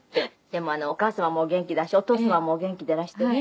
でもお母様もお元気だしお父様もお元気でいらしてね。